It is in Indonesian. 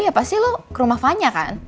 ya pasti lo ke rumah banyak kan